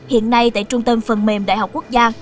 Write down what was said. hiện nay tại trung tâm phần mềm đại học quốc gia